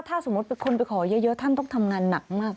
ถ้าสมมุติคนไปขอเยอะท่านต้องทำงานหนักมาก